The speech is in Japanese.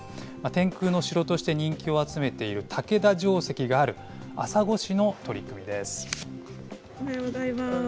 天空の城として人気を集めている竹田城跡がある、朝来市の取り組おはようございます。